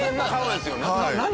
「何？